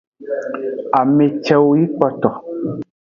Ame cewo yi kpoto.